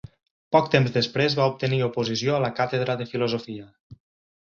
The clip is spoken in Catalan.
Poc temps després va obtenir oposició a la càtedra de filosofia.